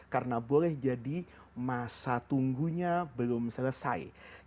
karena boleh jadi masa tunggunya belum selesai